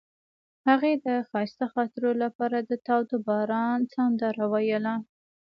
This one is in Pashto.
هغې د ښایسته خاطرو لپاره د تاوده باران سندره ویله.